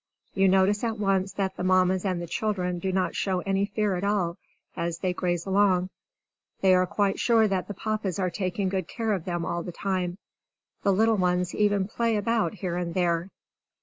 You notice at once that the Mammas and the children do not show any fear at all, as they graze along; they are quite sure that the Papas are taking good care of them all the time. The little ones even play about here and there.